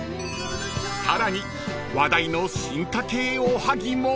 ［さらに話題の進化系おはぎも］